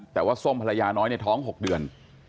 แต่ว่าส้มภรรยาน้อยเนี่ยท้อง๖เดือน